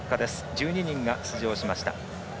１２人が出場しました。